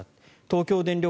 東京電力